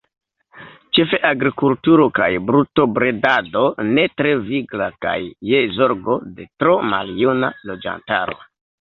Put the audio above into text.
Ĉefe agrikulturo kaj brutobredado ne tre vigla kaj je zorgo de tro maljuna loĝantaro.